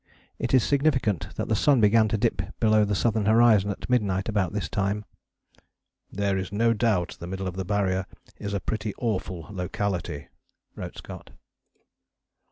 It is significant that the sun began to dip below the southern horizon at midnight about this time. "There is no doubt the middle of the Barrier is a pretty awful locality," wrote Scott.